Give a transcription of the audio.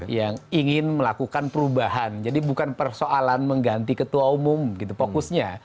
yang ingin melakukan perubahan jadi bukan persoalan mengganti ketua umum gitu fokusnya